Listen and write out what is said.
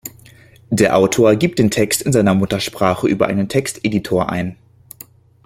Der Autor gibt den Text in seiner Muttersprache über einen Text-Editor ein.